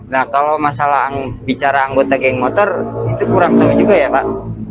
nah kalau masalah bicara anggota geng motor itu kurang tahu juga ya pak